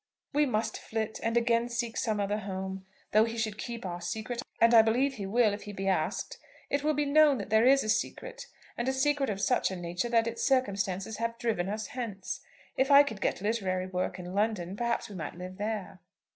"We must flit, and again seek some other home. Though he should keep our secret, and I believe he will if he be asked, it will be known that there is a secret, and a secret of such a nature that its circumstances have driven us hence. If I could get literary work in London, perhaps we might live there."